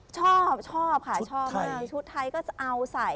ชอบค่ะชอบมากชุดไทยก็เอาใส